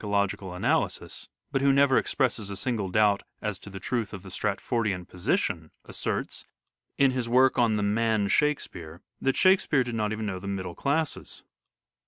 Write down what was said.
ANCESTRY OF EDWARD DE VERE 223 logical analysis, but who never expresses a single doubt as to the truth of the Stratfordian position, asserts, in his work on " The Man Shakespeare," that Shake speare did not even know the middle classes.